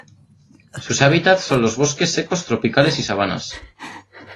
Sus hábitat son los bosques secos tropicales y sabanas.